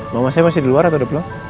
mama saya masih di luar atau udah pulang